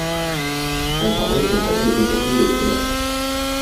Ein paar Einzelheiten sind noch ungeklärt.